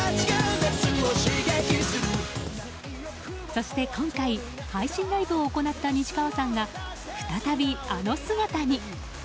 そして、今回配信ライブを行った西川さんが再びあの姿に。